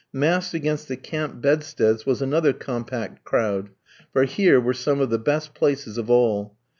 Massed against the camp bedsteads was another compact crowd; for here were some of the best places of all.